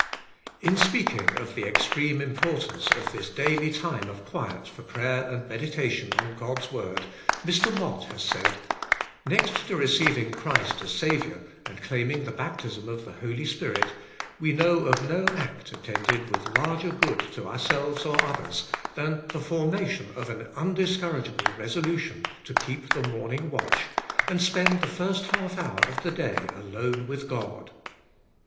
In speaking of the extreme importance of this daily time of quiet for prayer and meditation on God's Word, Mr. Mott has said :— lo The Inner Chamber "Next to receiving Christ as Saviour, and claiming the Baptism of the Holy Spirit, we know of no act attended with larger good to ourselves or others, than the formation of an undiscour ageable resolution to keep the morning watch, and spend the first half hour of the day alone with God."